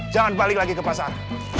jangan balik lagi ke pasar